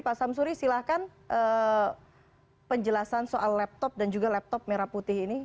pak samsuri silahkan penjelasan soal laptop dan juga laptop merah putih ini